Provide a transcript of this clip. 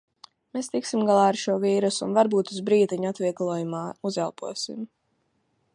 Mēs tiksim galā ar šo vīrusu un varbūt uz brītiņu atvieglojumā uzelposim.